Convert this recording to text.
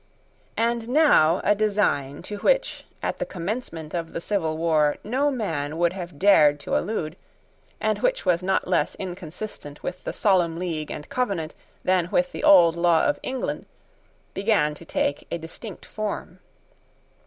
And now a design, to which, at the commencement of the civil war, no man would have dared to allude, and which was not less inconsistent with the Solemn League and Covenant than with the old law of England, began to take a distinct form.